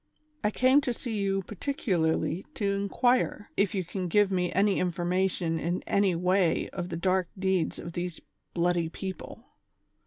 I came to see you particularly to inquire, if you can give me any information in any way of the dark deeds of these bloody people